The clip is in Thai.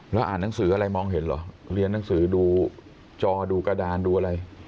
แล้วอ่านหนังสืออะไรมองเห็นเหรอเรียนหนังสือดูจอดูกระดานดูอะไร